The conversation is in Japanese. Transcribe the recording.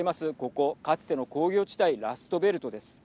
ここかつての工業地帯ラストベルトです。